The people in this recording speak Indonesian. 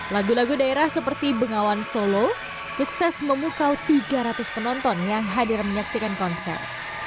lagu lagu daerah seperti bengawan solo sukses memukau tiga ratus penonton yang hadir menyaksikan konser